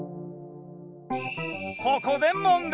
ここで問題！